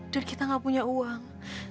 dan kita gak punya uang